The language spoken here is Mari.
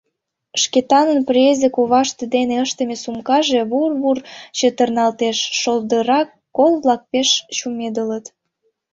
Шкетанын презе коваште дене ыштыме сумкаже вур-вур чытырналтеш: шолдыра кол-влак пеш чумедылыт.